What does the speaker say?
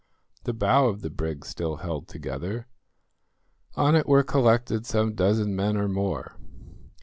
The bow of the brig still held together. On it were collected some dozen men or more.